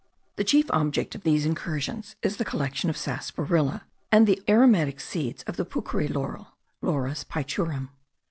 The chief object of these incursions is the collection of sarsaparilla and the aromatic seeds of the puchery laurel (Laurus pichurim).